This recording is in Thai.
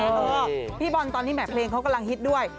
เออพี่บอลตอนนี้แห่เพลงเขากำลังฮิตด้วย